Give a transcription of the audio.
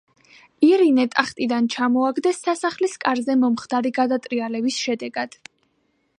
ირინე ტახტიდან ჩამოაგდეს სასახლის კარზე მომხდარი გადატრიალების შედეგად.